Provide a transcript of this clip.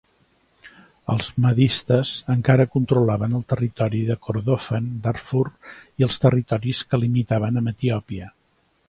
Els mahdistes encara controlaven el territori de Kordofan, Darfur i els territoris que limitaven amb Etiòpia.